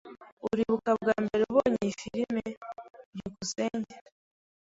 Uribuka bwa mbere ubonye iyi firime? byukusenge